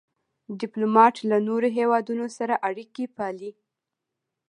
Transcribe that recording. ډيپلومات له نورو هېوادونو سره اړیکي پالي.